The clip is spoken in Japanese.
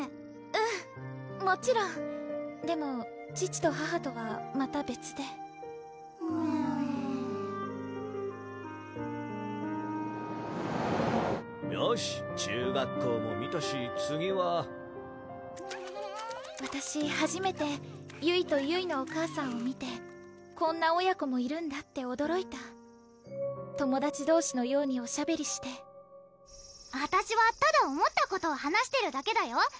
うんもちろんでも父と母とはまた別でうんよし中学校も見たし次はわたしはじめてゆいとゆいのお母さんを見てこんな親子もいるんだっておどろいた友達どうしのようにおしゃべりしてあたしはただ思ったことを話してるだけだよ